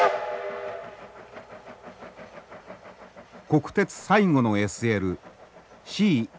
国鉄最後のＳＬＣ５７１。